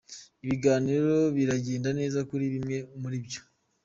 Ibiganiro biragenda neza kuri bimwe muri byo.